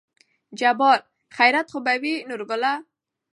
جبار : خېرت خو به وي نورګله